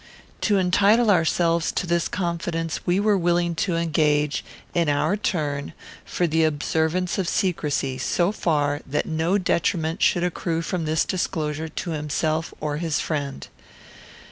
To entitle ourselves to this confidence we were willing to engage, in our turn, for the observance of secrecy, so far that no detriment should accrue from this disclosure to himself or his friend.